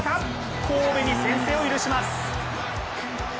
神戸に先制を許します。